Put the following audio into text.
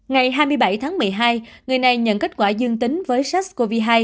ngày hai mươi bảy tháng một mươi hai người này nhận kết quả dương tính với sars cov hai